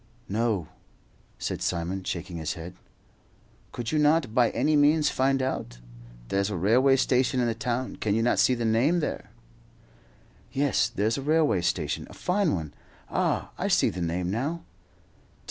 "No," said Simon, shaking his head. "Could you not by any means find out? There's a railway station in the town; can you not see the name there?" "Yes, there's a railway station, a fine one. Ah, I see the name now.